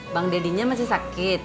bang dedinya masih sakit